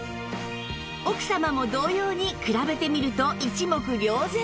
奥様も同様に比べてみると一目瞭然